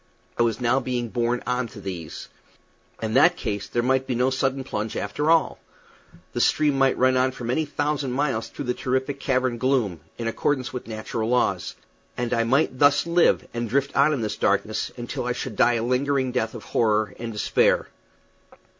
I was now being borne on to these. In that case there might be no sudden plunge, after all. The stream might run on for many thousand miles through this terrific cavern gloom, in accordance with natural laws; and I might thus live, and drift on in this darkness, until I should die a lingering death of horror and despair.